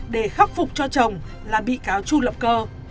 để khắc phục cho chồng là bị cáo chu lập cơ